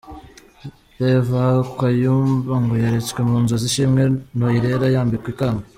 Rev Kayumba ngo yeretswe mu nzozi Ishimwe Noriella yambikwa ikamba.